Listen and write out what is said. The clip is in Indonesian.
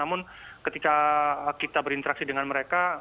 namun ketika kita berinteraksi dengan mereka